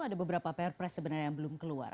ada beberapa perpres sebenarnya yang belum keluar